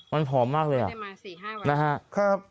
มันผอมมากเลยอ่ะมันถูกได้มา๔๕วัน